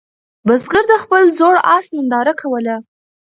بزګر د خپل زوړ آس ننداره کوله.